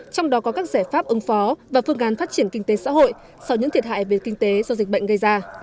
trong đó có các giải pháp ứng phó và phương án phát triển kinh tế xã hội sau những thiệt hại về kinh tế do dịch bệnh gây ra